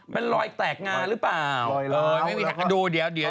เป็นรอยแตกงาหรือเปล่าเออไม่มีถักดูเดี๋ยวเดี๋ยว